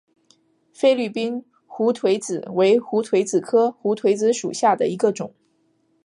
菲律宾胡颓子为胡颓子科胡颓子属下的一个种。